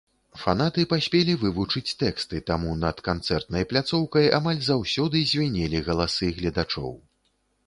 Фанаты паспелі вывучыць тэксты, таму над канцэртнай пляцоўкай амаль заўсёды звінелі галасы гледачоў.